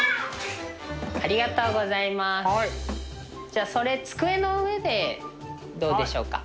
じゃあそれ机の上でどうでしょうか。